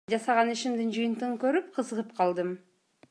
Жасаган ишимдин жыйынтыгын көрүп, кызыгып калдым.